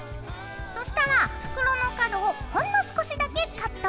そしたら袋の角をほんの少しだけカット。